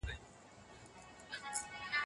د هغې زوی په کار کې ډېر بوخت دی.